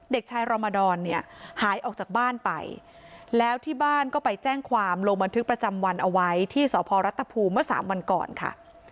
เด็กชายรอมดรเนี่ยหายออกจากบ้านไปแล้วที่บ้านก็ไปแจ้งความลงบันทึกประจำวันเอาไว้ที่สพรัฐภูมิเมื่อสามวันก่อนค่ะ